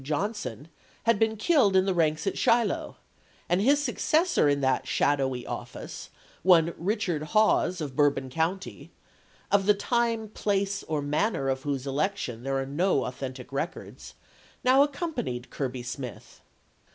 Johnson, had been killed in the ranks at Shiloh, and his suc cessor in that shadowy office, one Richard Hawes of Bourbon County, — of the time, place, or manner of whose election there are no authentic records, — now accompanied Kirby Smith.